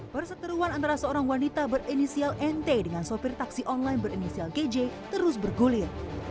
perseteruan antara seorang wanita berinisial nt dengan sopir taksi online berinisial gj terus bergulir